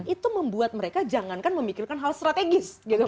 itu membuat mereka jangankan memikirkan hal strategis